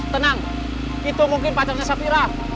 tenang itu mungkin pacarnya safira